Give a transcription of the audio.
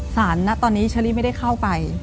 ณตอนนี้เชอรี่ไม่ได้เข้าไป